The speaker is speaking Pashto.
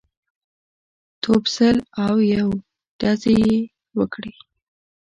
توپ سل او یو ډزې یې وکړې.